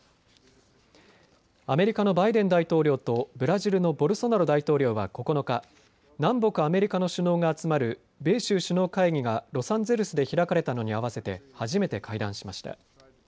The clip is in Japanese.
アメリカのバイデン大統領とブラジルのボルソナロ大統領は９日、南北アメリカの首脳が集まる米州首脳会議がロサンゼルスで開かれたのに合わせて初めて会談しました。